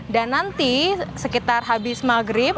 dan nanti sekitar habis maghrib